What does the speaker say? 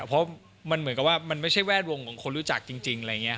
เพราะมันเหมือนกับว่ามันไม่ใช่แวดวงของคนรู้จักจริงอะไรอย่างนี้